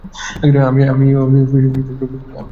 আমি খোঁজ করেছি তোর।